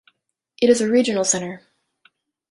It is a regional centre.